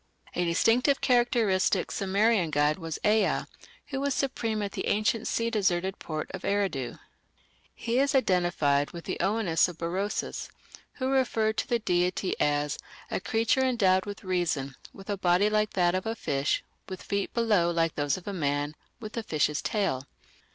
A distinctive and characteristic Sumerian god was Ea, who was supreme at the ancient sea deserted port of Eridu. He is identified with the Oannes of Berosus, who referred to the deity as "a creature endowed with reason, with a body like that of a fish, with feet below like those of a man, with a fish's tail".